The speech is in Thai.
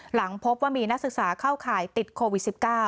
หลังพบว่ามีนักศึกษาเข้าข่ายติดโควิด๑๙